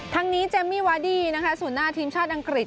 ทั้งนี้เจมมี่วาดี้นะคะส่วนหน้าทีมชาติอังกฤษ